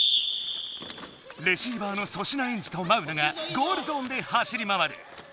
レシーバーの粗品エンジとマウナがゴールゾーンで走り回る。